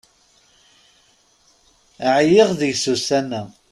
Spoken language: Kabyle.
Ɛyiɣ deg-s ussan-a.